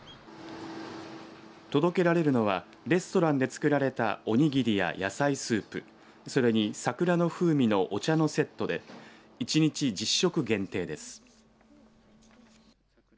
届けられるのはレストランで作られたおにぎりや野菜スープそれに桜の風味のお茶のセットで１日１０食限定です。